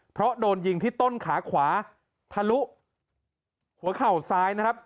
เพราะโดนยิงที่ต้นขาขวาทะลุหัวเข่าซ้ายนะครับ